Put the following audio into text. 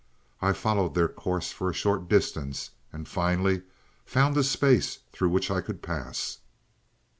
I followed their course for a short distance, and finally found a space through which I could pass.